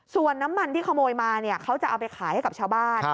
ส่วนน้ำมันที่ขโมยมาเนี่ยเขาจะเอาไปขายให้กับชาวบ้าน